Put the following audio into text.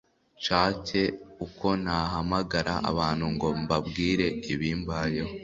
nshake uko nahamagara abantu ngo mbabwire ibimbayeho